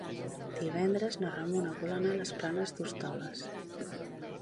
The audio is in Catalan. Divendres na Ramona vol anar a les Planes d'Hostoles.